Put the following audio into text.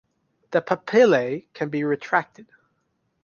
The papillae can be retracted.